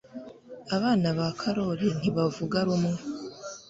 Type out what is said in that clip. Abana ba karoli ntibavuga rumwe